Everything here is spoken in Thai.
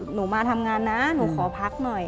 หนูมาทำงานนะหนูขอพักหน่อย